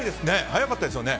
早かったですよね。